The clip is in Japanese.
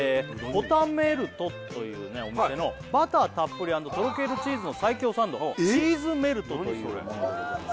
ＰＯＴＡＭＥＬＴというお店のバターたっぷり＆とろけるチーズの最強サンドチーズメルトというものでございます